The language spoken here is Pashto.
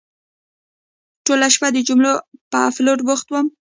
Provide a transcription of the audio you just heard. ټوله شپه د جملو په اپلوډ بوخت وم.